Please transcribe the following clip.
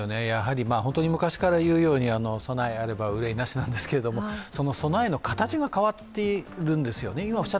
昔から言うように、備えあれば憂いなしなんですが、その備えの形が変わっているんですよね。